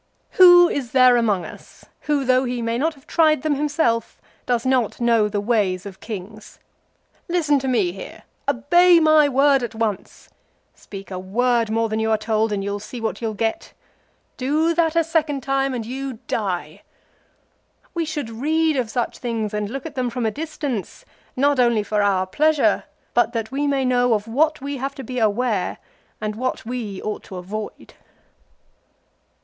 " Who is there among us, who though he may not have tried them himself, does not know the ways of kings?" "Listen to me here." " Obey my word at once." " Speak a word more than you are told, and you'll see what you'll get." " Do that a second time and you die !"" We should read of such things and look at them from a distance, not only for our pleasure, but that we may know of what we have to be aware, and what we ought to avoid."